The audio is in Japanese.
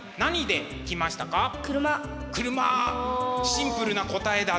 シンプルな答えだった。